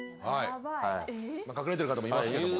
隠れてる方もいますけども。